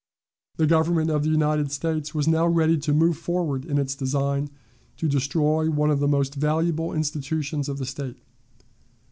The Government of the United States was now ready to move forward in its design to destroy one of the most valuable institutions of the State.